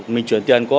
mình chuyển tiền có